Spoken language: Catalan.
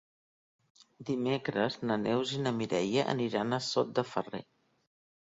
Dimecres na Neus i na Mireia aniran a Sot de Ferrer.